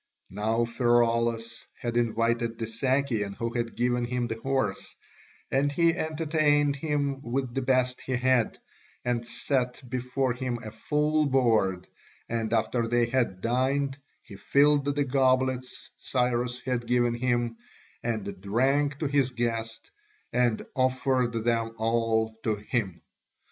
Now Pheraulas had invited the Sakian who had given him the horse, and he entertained him with the best he had, and set before him a full board, and after they had dined he filled the goblets Cyrus had given him, and drank to his guest, and offered them all to him.